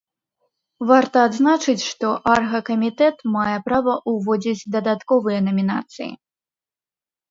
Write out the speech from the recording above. Варта адзначыць, што аргакамітэт мае права ўводзіць дадатковыя намінацыі.